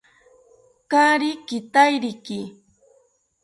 Kaari kitairiki